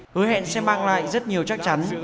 hứa hẹn sẽ mặc lại rất nhiều chắc chắn